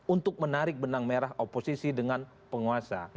untuk menarik benang merah oposisi dengan penguasa